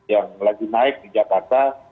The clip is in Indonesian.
yang lagi naik di jakarta